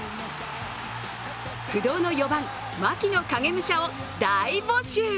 不動の４番、牧の影武者を大募集！